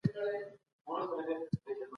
ډیپلوماټان کله په ټاکنو کي ګډون کوي؟